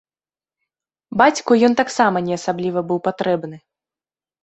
Бацьку ён таксама не асабліва быў патрэбны.